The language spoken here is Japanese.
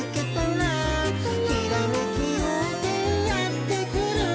「ひらめきようせいやってくる」